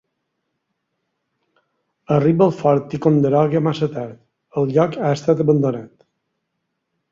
Arriba al Fort Ticonderoga massa tard; el lloc ha estat abandonat.